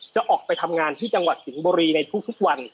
จะออกไปทำงานที่จังหวัดสิงห์บุรีในทุกวัน